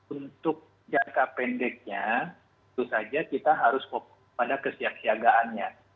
untuk jangka pendeknya itu saja kita harus kepada kesiagaannya